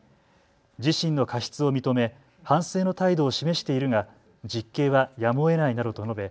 自身の過失を認め反省の態度を示しているが実刑はやむをえないなどと述べ